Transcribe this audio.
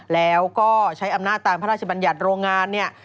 แล้วก็ใช้อำนาจตามพระราชบัญญัติโรงงานเนี่ย